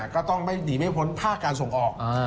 ก็ต้องหนีเว้ยพ้นภาคการส่งออก